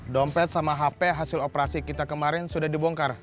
dompet sama hp hasil operasi kita kemarin sudah dibongkar